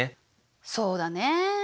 そうだね。